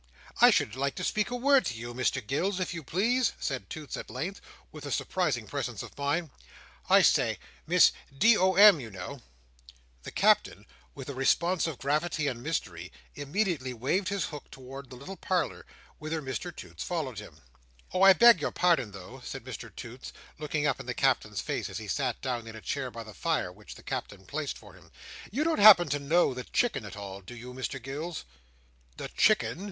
I should like to speak a word to you, Mr Gills, if you please," said Toots at length, with surprising presence of mind. "I say! Miss D.O.M. you know!" The Captain, with responsive gravity and mystery, immediately waved his hook towards the little parlour, whither Mr Toots followed him. "Oh! I beg your pardon though," said Mr Toots, looking up in the Captain's face as he sat down in a chair by the fire, which the Captain placed for him; "you don't happen to know the Chicken at all; do you, Mr Gills?" "The Chicken?"